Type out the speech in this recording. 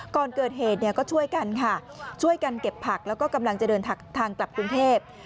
ก่อนเกิดเหตุเนี่ยก็ช่วยกันค่ะช่วยกันเก็บผักแล้วก็กำลังจะเดินทางกลับกรุงเทพ